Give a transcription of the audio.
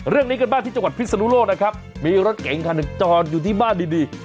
เรื่องนี้กันบ้างที่จังหวัดพิศนุโลกนะครับมีรถเก๋งคันหนึ่งจอดอยู่ที่บ้านดีดี